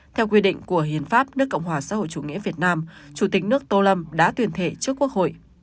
theo quy định của hiến pháp nước cộng hòa xã hội chủ nghĩa việt nam chủ tịch nước tô lâm đã tuyên thệ trước quốc hội